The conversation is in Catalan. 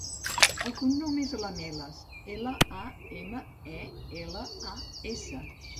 El cognom és Lamelas: ela, a, ema, e, ela, a, essa.